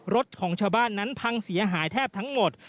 รถของชาวบ้านนั้นพังเสียหายแทบทั้งหมด